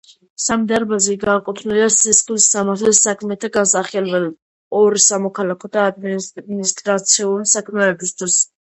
სამი დარბაზი განკუთვნილია სისხლის სამართლის საქმეთა განსახილველად, ორი სამოქალაქო და ადმინისტრაციული საქმეებისათვის.